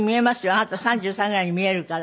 あなた３３ぐらいに見えるから。